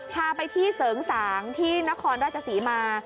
พาไปที่เสริงสางที่นครราชศรีมา